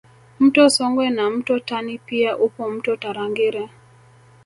Mto Songwe na mto Tani pia upo mto Tarangire